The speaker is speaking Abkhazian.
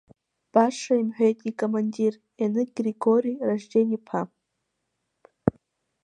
Баша имҳәеит икомандир Еныкь Григори Ражьден-иԥа.